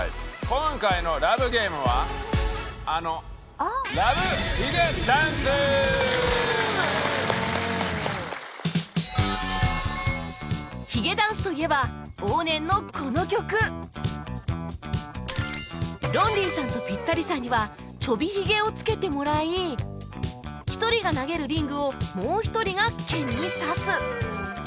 今回の ＬＯＶＥＧＡＭＥ はあの『「ヒゲ」のテーマ』ヒゲダンスといえば往年のこの曲ロンリーさんとピッタリさんにはちょびヒゲをつけてもらい１人が投げるリングをもう１人が剣に刺す